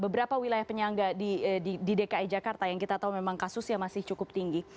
beberapa wilayah penyangga di dki jakarta yang kita tahu memang kasusnya masih cukup tinggi